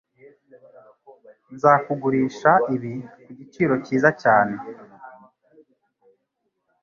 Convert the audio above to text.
Nzakugurisha ibi ku giciro cyiza cyane.